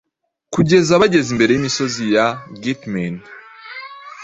Kugeza bageze imbere yimisozi ya Geatmen